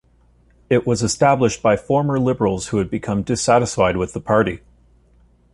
It was established by former Liberals who had become dissatisfied with the party.